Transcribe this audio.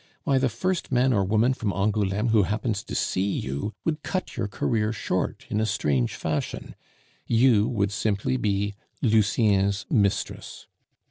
Why, the first man or woman from Angouleme who happens to see you would cut your career short in a strange fashion. You would simply be Lucien's mistress.